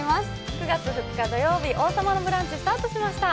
９月２日土曜日、「王様のブランチ」スタートしました。